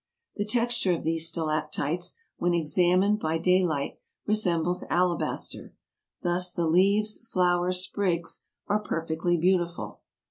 ... The texture of these stalactites, when examined by daylight, resembles alabaster, thus the leaves, flowers, sprigs, are perfectly beautiful.